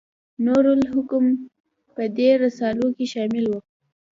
نور الحکم په دې رسالو کې شامل و.